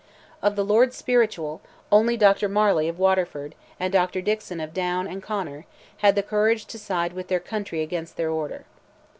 Of the Lords spiritual, only Dr. Marlay of Waterford, and Dr. Dixon of Down and Conor, had the courage to side with their country against their order.